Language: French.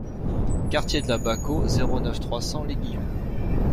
Quartier de la Baquo, zéro neuf, trois cents L'Aiguillon